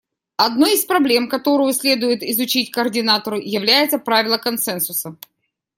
Одной из проблем, которую следует изучить координатору, является правило консенсуса.